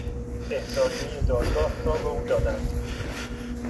احضاریهی دادگاه را به او دادند.